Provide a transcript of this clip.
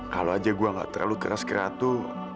kalau aja gue nggak terlalu keras ke ratu